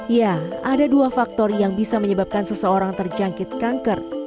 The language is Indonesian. ya ada dua faktor yang bisa menyebabkan seseorang terjangkit kanker